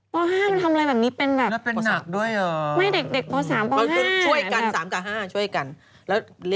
ป๕มันทำอะไรแบบนี้เป็นแบบแล้วเป็นหนักด้วยเหรอ